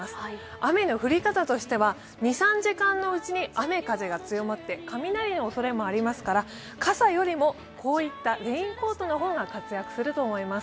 雨の降り方としては、２３時間のうちに雨風が強まって雷のおそれもありますから、傘よりも、こういったレインコートの方が活躍すると思います。